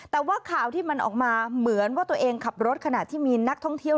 แต่ว่าข่าวที่มันออกมาเหมือนว่าตัวเองขับรถขณะที่มีนักท่องเที่ยว